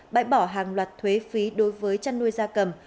bãi bỏ hàng loạt thuế phí đối với trăn nuôi gia cầm